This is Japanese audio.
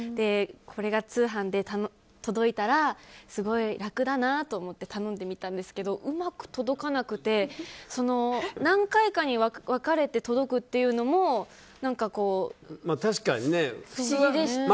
これが通販で届いたらすごい楽だなと思って頼んでみたんですけどうまく届かなくて何回かに分かれて届くっていうのも不思議でした。